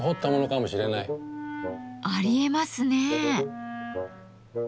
ありえますね。